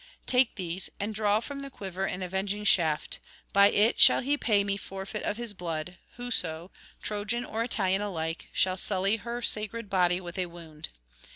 Take these, and draw from the quiver an avenging shaft; by it shall he pay me forfeit of his blood, whoso, Trojan or Italian alike, shall sully her sacred body with a wound.